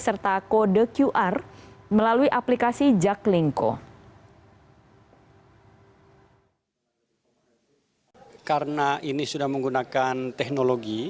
serta kode qr melalui aplikasi jaklingko